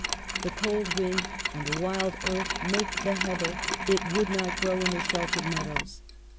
The cold wind and wild earth make the heather ; it would not grow in the sheltered meadows.